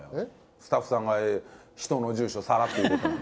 スタッフさんが人の住所さらっと言うことなんか。